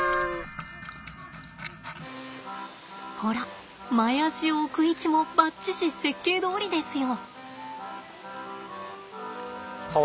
ほら前足を置く位置もバッチシ設計どおりですよ。